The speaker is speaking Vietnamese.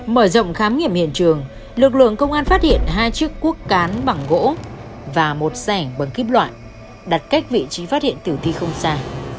mở rộng khám nghiệm hiện trường lực lượng công an phát hiện hai chiếc cuốc cán bằng gỗ và một sẻng bằng kíp loại đặt cách vị trí phát hiện tử thi không xa